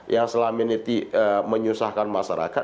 yang selama ini menyusahkan masyarakat